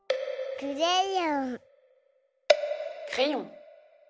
クレヨン。